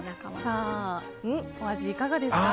お味いかがですか？